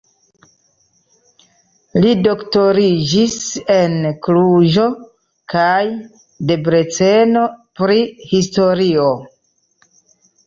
Li doktoriĝis en Kluĵo kaj Debreceno pri historio.